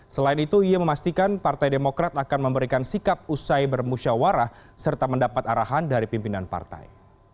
selain itu ia memastikan partai demokrat akan memberikan sikap usai bermusyawarah serta mendapat arahan dari pimpinan partai